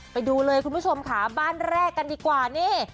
ไปดูเลยคุณผู้ชมค่ะบ้านแรกกันดีกว่านี่